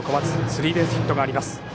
スリーベースヒットがあります。